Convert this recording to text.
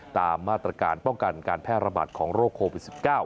ตามมาตรการป้องกันการแพร่ระบาดของโรคโควิด๑๙